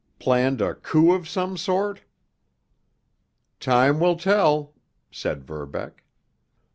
Planned a coup of some sort?" "Time will tell," said Verbeck.